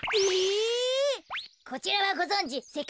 こちらはごぞんじせかいてき